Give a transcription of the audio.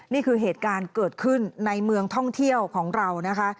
นี่คือเหตุการณ์เกิดขึ้นในเมืองท่องเที่ยวของเรานะคะ